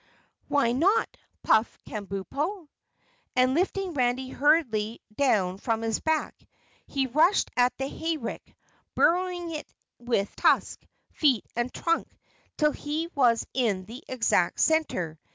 "Why not?" puffed Kabumpo, and lifting Randy hurriedly down from his back, he rushed at the hayrick, burrowing into it with tusk, feet and trunk till he was in the exact center.